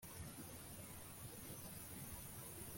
imigi yose hamwe ubufindo bwahesheje bene merari